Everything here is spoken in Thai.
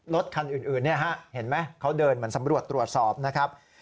รถคันอื่นเห็นไหมเขาเดินเหมือนสำรวจตรวจสอบนะครับ